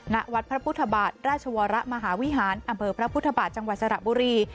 ณวัดพระพุทธบาทราชวรมหาวิหารอำเภอพระพุทธบาทจังหวัดสระบุรี